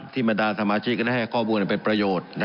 บรรดาสมาชิกก็ได้ให้ข้อมูลเป็นประโยชน์